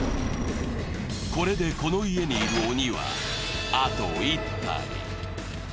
これでこの家にいる鬼はあと１体。